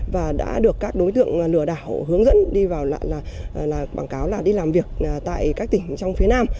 và đã được các đối tượng lừa đảo hướng dẫn đi vào là quảng cáo là đi làm việc tại các tỉnh trong phía nam